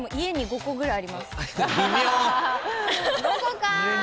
５個か。